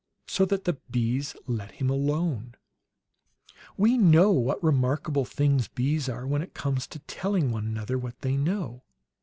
So that the bees let him alone! "We know what remarkable things bees are, when it comes to telling one another what they know.